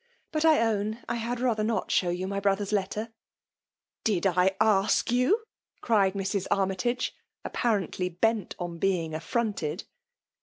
<'"< But I own I had rather not show you my brother's letter." '^ Did I ask you ?" cried Mrs. Armytage* apparently bent upon being afBronted.